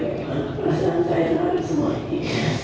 perasaan saya kepada semua ini